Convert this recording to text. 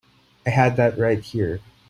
I had that right here.